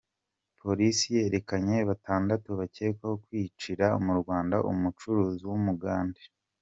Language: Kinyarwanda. Polisi yerekanye batandatu bakekwaho kwicira mu Rwanda umucuruzi w’Umugande